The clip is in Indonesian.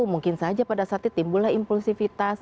mungkin saja pada saat itu timbullah impulsifitas